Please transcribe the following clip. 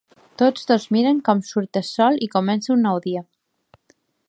Tots dos miren com surt el sol i comença un nou dia.